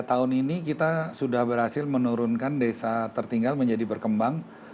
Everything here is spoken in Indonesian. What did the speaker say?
tahun ini kita sudah berhasil menurunkan desa tertinggal menjadi berkembang